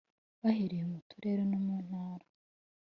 bahereye mu turere no mu Ntara